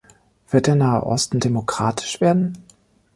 Wird der Nahe Osten demokratisch werden?